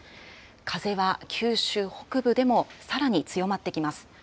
風は九州北部でもさらに強まってきます。